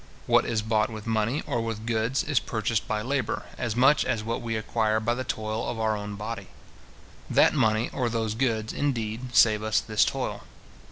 What is bought with money, or with goods, is purchased by labour, as much as what we acquire by the toil of our own body. That money, or those goods, indeed, save us this toil.